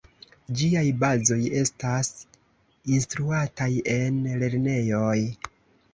Ĝiaj bazoj estas instruataj en lernejoj.